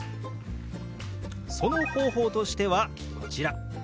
その方法としてはこちら。